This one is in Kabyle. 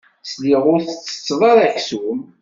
Sliɣ ur tettetteḍ ara aksum.